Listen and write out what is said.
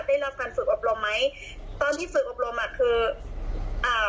ได้รับการฝึกอบรมไหมตอนที่ฝึกอบรมอ่ะคืออ่า